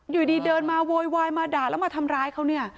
อยู่ดีเดินมาโวยวายมาด่าแล้วมาทำร้ายเขาเนี่ย